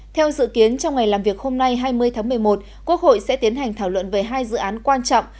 theo dự kiến trong ngày làm việc hôm nay hai mươi tháng một mươi một quốc hội sẽ tiến hành thảo luận về hai dự án quan trọng